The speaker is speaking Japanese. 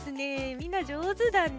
みんなじょうずだね。